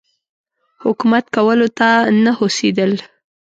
حکومت کولو ته نه هوسېدل.